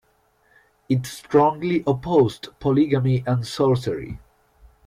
It strongly opposed polygamy and sorcery.